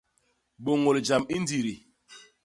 Bôñôl jam i ndidi.